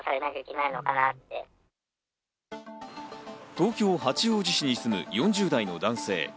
東京・八王子市に住む４０代の男性。